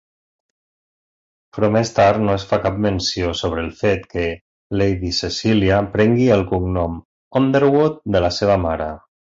Però més tard no es fa cap menció sobre el fet que Lady Cecilia prengui el cognom Underwood de la seva mare.